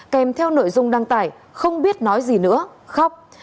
kèm theo nội dung đăng tải không biết nói gì nữa khóc